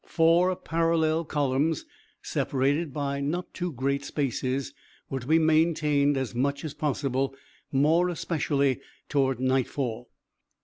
Four parallel columns, separated by not too great spaces, were to be maintained as much as possible, more especially toward nightfall.